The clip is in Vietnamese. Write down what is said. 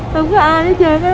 không có ai hết trơn á